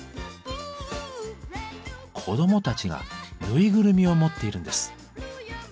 子どもたちがぬいぐるみを持っているんです。